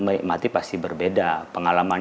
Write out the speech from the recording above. menikmati pasti berbeda pengalaman